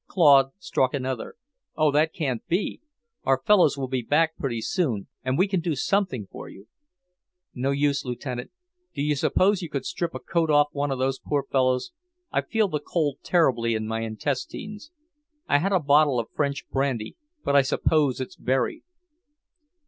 Claude struck another. "Oh, that can't be! Our fellows will be back pretty soon, and we can do something for you." "No use, Lieutenant. Do you suppose you could strip a coat off one of those poor fellows? I feel the cold terribly in my intestines. I had a bottle of French brandy, but I suppose it's buried."